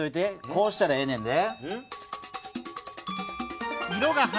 こうしたらええねんで。